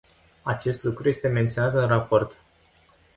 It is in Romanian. Acest lucru este menționat în raport.